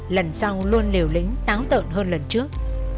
lần sau luôn liều lĩnh táo tợn hơn lần trước